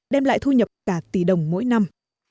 đem lại thu nhập cả tỷ đồng mỗi năm